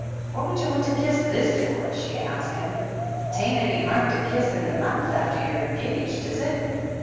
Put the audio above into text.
"What would you want to kiss this for?" she asked him. " 'Tain't any harm to kiss in the mouth after you're engaged, is it